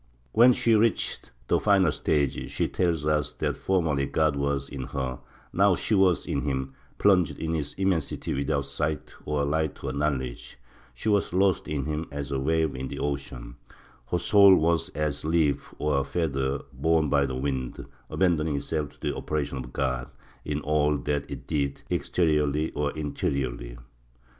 When she reached the final stage she tells us that formerly God was in her, now she was in him, plunged in his immensity without sight or light or knowledge ; she was lost in him as a wave in the ocean ; her soul was as a leaf or a feather borne by the wind, abandoning itself to the operation of God in all that it did, exteriorly or interiorly.